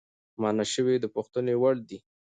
مانا شوی د پوښتنې وړدی،